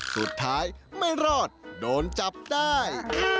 สุดท้ายไม่รอดโดนจับได้